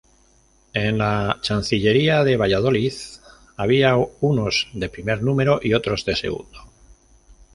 En la Chancillería de Valladolid había unos de primer número y otros de segundo.